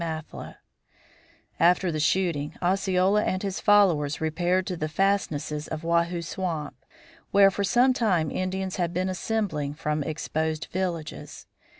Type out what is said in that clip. Mathla. After the shooting, Osceola and his followers repaired to the fastnesses of Wahoo Swamp, where for some time Indians had been assembling from exposed villages.